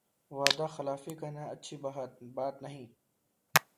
وعدہ خلافی کرنا اچھی بات نہیں ہے